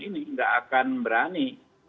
tidak akan berani